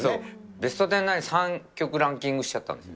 ベストテン内に３曲ランキングしちゃったんです。